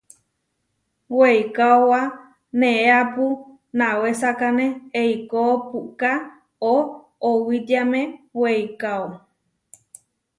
Weikaóba neʼeapu nawésekane, eikó puʼká oʼowitiáme weikáo.